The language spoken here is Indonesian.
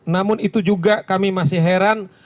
namun itu juga kami masih heran